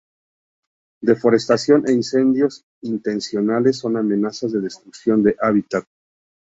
Deforestación e incendios intencionales son amenazas de destrucción de hábitat.